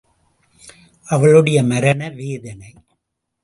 அவளுடைய மரண வேதனை.